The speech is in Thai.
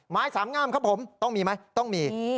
ไม้สามงามครับผมต้องมีไหมต้องมี